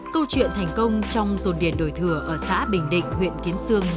câu chuyện thành công trong dồn điền đổi thừa ở xã bình định huyện kiến sương